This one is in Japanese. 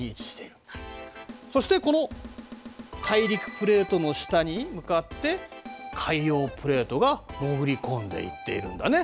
そしてこの大陸プレートの下に向かって海洋プレートが潜り込んでいっているんだね。